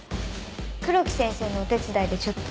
黒木先生のお手伝いでちょっと。